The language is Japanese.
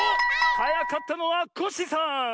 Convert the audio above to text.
はやかったのはコッシーさん！